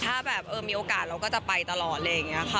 ถ้าแบบมีโอกาสเราก็จะไปตลอดอะไรอย่างนี้ค่ะ